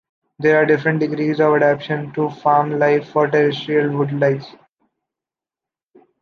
There are different degrees of adaptation to farm life for terrestrial woodlice.